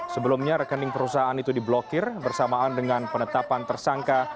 sebelumnya rekening perusahaan itu diblokir bersamaan dengan penetapan tersangka